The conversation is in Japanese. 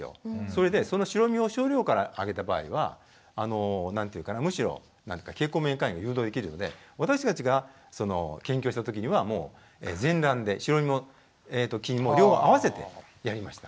それでその白身を少量からあげた場合はあの何ていうかなむしろ経口免疫寛容が誘導できるので私たちが研究をした時にはもう全卵で白身も黄身も両方あわせてやりました。